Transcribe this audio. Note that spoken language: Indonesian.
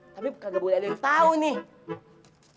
tapi kagak boleh ada yang tahu nih